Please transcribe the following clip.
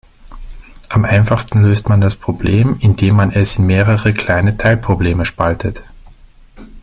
Am einfachsten löst man das Problem, indem man es in mehrere kleine Teilprobleme spaltet.